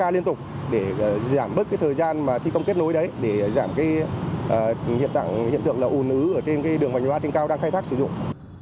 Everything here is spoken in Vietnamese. để giảm bớt thời gian thi công kết nối để giảm hiện tượng ủn ứ trên đường vành đai ba trên cao đang khai thác sử dụng